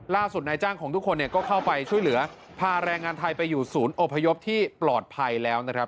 ล่าสุดนายจ้างของทุกคนเนี่ยก็เข้าไปช่วยเหลือพาแรงงานไทยไปอยู่ศูนย์อพยพที่ปลอดภัยแล้วนะครับ